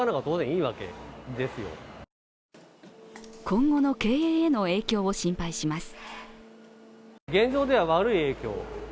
今後の経営への影響を心配します。